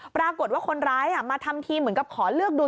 ปรากฏว่าคนร้ายมาทำทีเหมือนกับขอเลือกดู